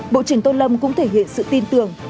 bộ trưởng tô lâm cũng thể hiện sự tin tưởng